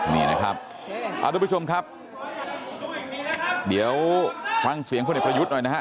นี่นะครับทุกผู้ชมครับเดี๋ยวฟังเสียงพลเอกประยุทธ์หน่อยนะฮะ